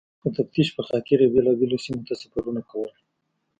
د تفتیش پخاطر یې بېلابېلو سیمو ته سفرونه کول.